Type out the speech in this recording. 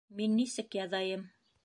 — Мин нисек яҙайым.